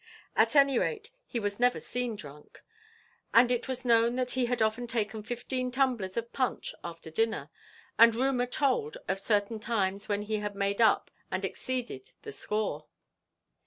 At any rate he was never seen drunk, and it was known that he had often taken fifteen tumblers of punch after dinner, and rumour told of certain times when he had made up and exceeded the score.